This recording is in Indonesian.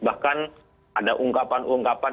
bahkan ada ungkapan ungkapan